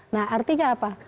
nah artinya apa